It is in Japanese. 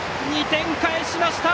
２点返しました！